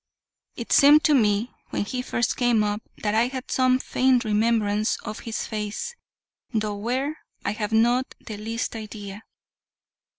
It seemed to me, when he first came up, that I had some faint remembrance of his face, though where, I have not the least idea.